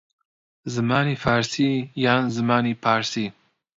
زمانی فارسی یان زمانی پارسی